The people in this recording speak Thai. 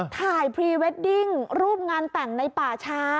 พรีเวดดิ้งรูปงานแต่งในป่าช้า